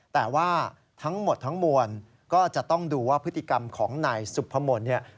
แต่ว่าทั้งหมดทั้งมวลก็จะต้องดูว่าพฤติกรรมของนายสุพมนต์เนี่ย